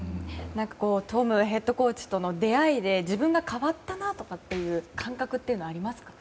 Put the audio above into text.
トムヘッドコーチとの出会いで自分が変わったなとかっていう感覚はありますか？